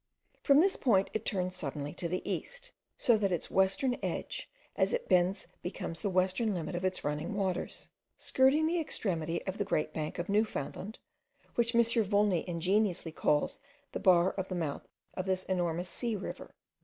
From this point it turns suddenly to the east, so that its western edge, as it bends, becomes the western limit of the running waters, skirting the extremity of the great bank of Newfoundland, which M. Volney ingeniously calls the bar of the mouth of this enormous sea river.